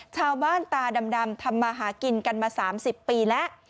ชาวบ้านตาดำทำมาหากินกันมา๓๐ปีแล้ว